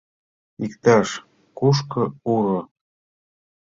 Иктаж-кушко уро!